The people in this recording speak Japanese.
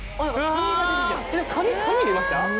紙入れました？